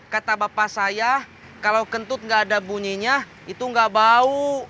kata papa saya kalau kentut enggak ada bunyinya itu enggak bau